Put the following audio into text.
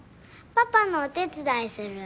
パパのお手伝いする。